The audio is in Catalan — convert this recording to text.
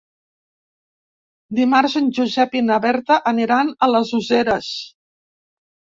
Dimarts en Josep i na Berta aniran a les Useres.